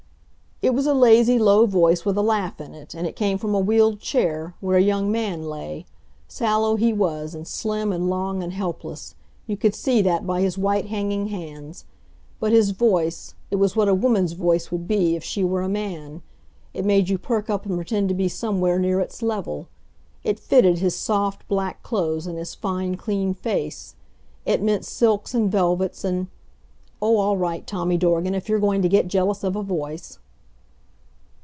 It was a lazy, low voice with a laugh in it, and it came from a wheeled chair, where a young man lay. Sallow he was and slim and long, and helpless you could see that by his white hanging hands. But his voice it was what a woman's voice would be if she were a man. It made you perk up and pretend to be somewhere near its level. It fitted his soft, black clothes and his fine, clean face. It meant silks and velvets and Oh, all right, Tommy Dorgan, if you're going to get jealous of a voice!